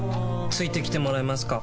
付いてきてもらえますか？